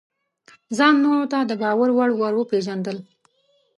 ځان نورو ته د باور وړ ورپېژندل: